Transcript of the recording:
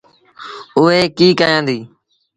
اُئي ڪيٚ ڪيآندي۔